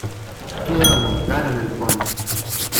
Quiero montar en el pony.